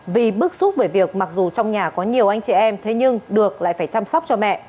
vì bức xúc về việc mặc dù trong nhà có nhiều anh chị em